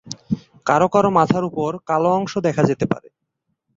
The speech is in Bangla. কারো কারো মাথার উপর কালো অংশ দেখা যেতে পারে।